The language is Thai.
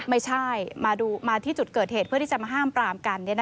ไม่ใช่มาที่จุดเกิดเหตุเพื่อที่จะมาห้ามปรามกัน